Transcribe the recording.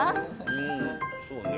うんそうね